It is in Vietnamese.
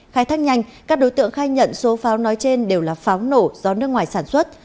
khai thác nhanh các đối tượng khai nhận số pháo nói trên đều là pháo nổ do nước ngoài sản xuất